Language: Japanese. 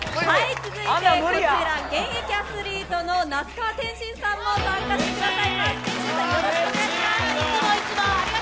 続いて、こちら現役アスリートの那須川天心さんも参加していただきます。